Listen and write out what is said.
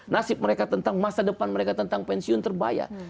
nasib mereka tentang masa depan mereka tentang pensiun terbayar